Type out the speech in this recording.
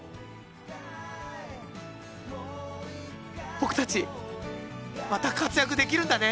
僕たちまた活躍できるんだね！